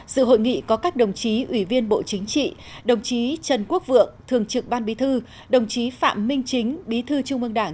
sự hội nghị có các đồng chí ủy viên bộ chính trị đồng chí trần quốc vượng thường trực ban bí thư đồng chí phạm minh chính bí thư trung ương đảng